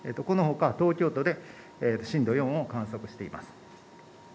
このほか東京都で震度４を観測しています。